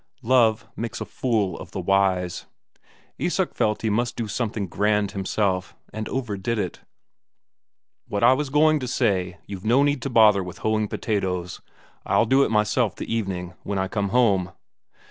Love makes a fool of the wise. Isak felt he must do something grand himself, and overdid it. "What I was going to say; you've no need to bother with hoeing potatoes. I'll do it myself the evening, when I come home."